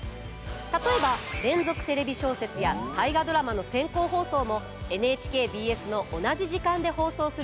例えば「連続テレビ小説」や「大河ドラマ」の先行放送もＮＨＫＢＳの同じ時間で放送する予定です。